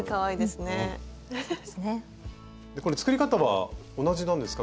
これ作り方は同じなんですか？